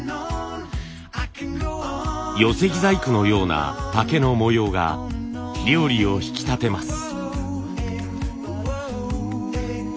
寄せ木細工のような竹の模様が料理を引き立てます。